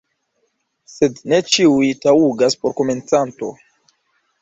Sed ne ĉiuj taŭgas por komencanto.